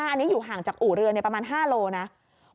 อันนี้อยู่ห่างจากอู่เรือประมาณ๕โลนะ